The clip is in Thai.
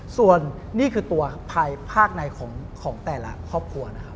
ส่วนนี่คือตัวภายภาคในของแต่ละครอบครัวนะครับ